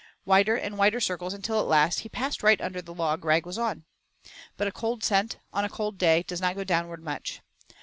Wider and wider circles, until at last, he passed right under the log Rag was on. But a cold scent, on a cold day, does not go downward much.